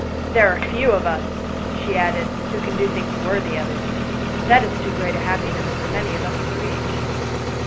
There are few of us," she added, "who can do things worthy of it : that is too great a happiness for many of us to reach.